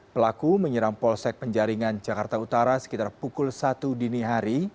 pelaku menyerang polsek penjaringan jakarta utara sekitar pukul satu dini hari